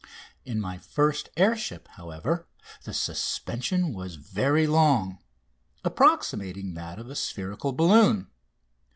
In my first air ship, however, the suspension was very long, approximating that of a spherical balloon.